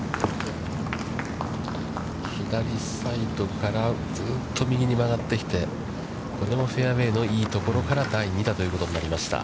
左サイドからずっと右に曲がってきて、これもフェアウェイのいいところから第２打ということになりました。